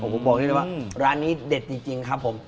ผมบอกได้เลยว่าร้านนี้เด็ดจริงครับผม